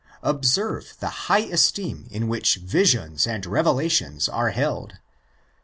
Observe the high esteem in which visions and revelations are held (xii.